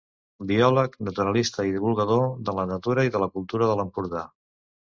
Biòleg, naturalista i divulgador de la natura i la cultura de l'Empordà.